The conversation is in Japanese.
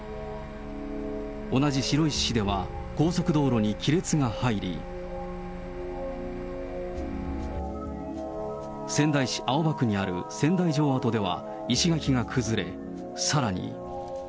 同じ白石市では、高速道路に亀裂が入り、仙台市青葉区にある仙台城跡では、石垣が崩れ、さらに。